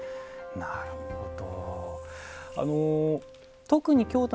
なるほど。